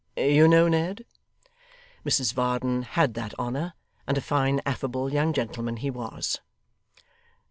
You know Ned?' Mrs Varden had that honour, and a fine affable young gentleman he was.